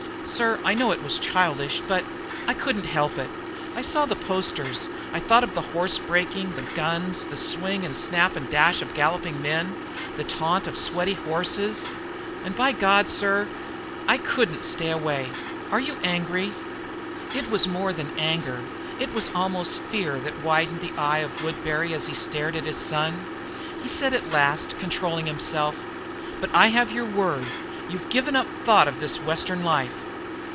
Sir, I know it was childish, but I couldn't help it! I saw the posters; I thought of the horse breaking, the guns, the swing and snap and dash of galloping men, the taint of sweating horses and by God, sir, I couldn't stay away! Are you angry?" It was more than anger; it was almost fear that widened the eye of Woodbury as he stared at his son. He said at last, controlling himself: "But I have your word; you've given up the thought of this Western life?"